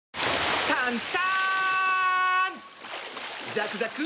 ザクザク！